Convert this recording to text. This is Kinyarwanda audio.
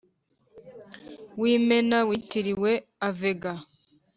W imena witiriwe avega